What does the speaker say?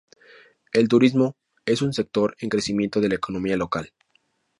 El turismo es un sector en crecimiento de la economía local.